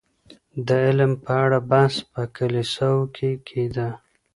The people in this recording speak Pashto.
د علم په اړه بحث په کليساوو کي کيده.